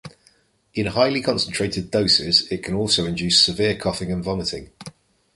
In highly concentrated doses it can also induce severe coughing and vomiting.